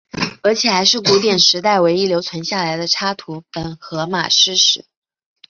而且还是古典时代唯一留存下来的插图本荷马史诗。